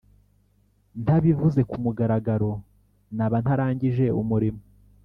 ntabivuze ku mugaragaro naba ntarangije umurimo